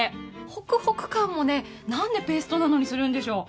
ホクホク感もね、何でペーストなのにするんでしょう。